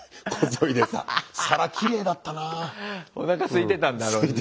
おなかすいてたんだろうね。